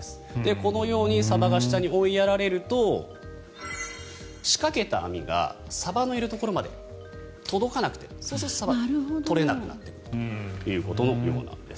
このようにサバが下に追いやられると仕掛けた網がサバのいるところまで届かなくてそうするとサバが取れなくなっていくということのようなんです。